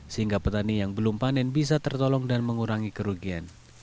sehingga petani yang belum panen bisa tertolong dan mengurangi kerugian